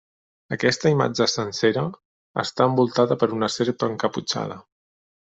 Aquesta imatge sencera està envoltada per una serp encaputxada.